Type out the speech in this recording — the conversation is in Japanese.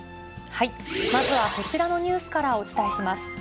まずはこちらのニュースからお伝えします。